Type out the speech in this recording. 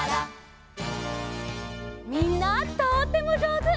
みんなとってもじょうず！